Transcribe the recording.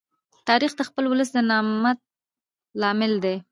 تاریخ د خپل ولس د نامت لامل دی.